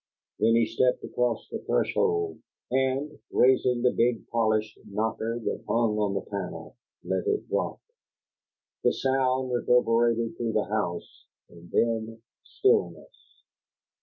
Then he stepped across the threshold, and raising the big polished knocker that hung on the panel, let it drop. The sound reverberated through the house, and then stillness.